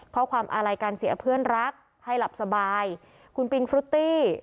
ข้อความอาลัยการเสียเพื่อนรักให้หลับสบายคุณปิงฟรุตตี้